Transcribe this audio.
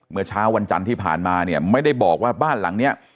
เมื่อเช้าวันจันทร์ที่ผ่านมาเนี่ยไม่ได้บอกว่าบ้านหลังเนี้ย